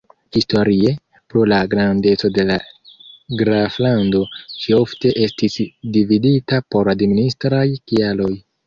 Historie, pro la grandeco de la graflando, ĝi ofte estis dividita por administraj kialoj.